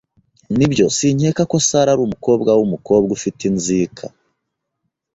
Nibyo, sinkeka ko Sara ari umukobwa wumukobwa ufite inzika.